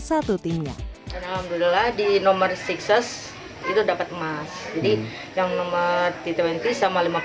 satu timnya alhamdulillah di nomor sixes itu dapat emas jadi yang nomor t dua puluh sama lima puluh